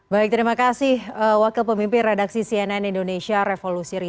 baik terima kasih